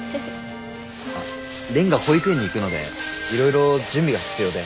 蓮が保育園に行くのでいろいろ準備が必要で。